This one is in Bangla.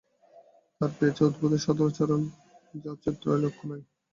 আর পেয়েছে অদ্ভুত সদাচারবল, যা ত্রৈলোক্যে নাই।